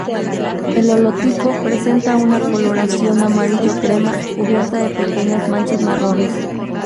El holotipo presenta una coloración amarillo-crema cubierta de pequeñas manchas marrones.